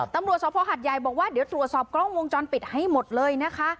ตำรวจสภหัดใหญ่บอกว่าเดี๋ยวตรวจสอบกล้องวงจรปิดให้หมดเลยนะคะ